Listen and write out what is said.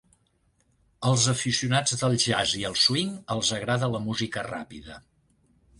Als aficionats del jazz i el swing els agrada la música ràpida.